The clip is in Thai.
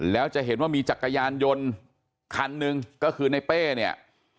แล้วจะเห็นว่ามีจักรยานยนต์คันหนึ่งก็คือในเป้เนี่ย